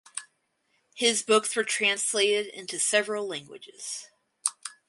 His books were translated into several languages.